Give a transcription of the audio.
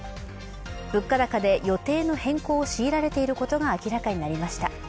物価高で予定の変更を強いられていることが明らかになりました。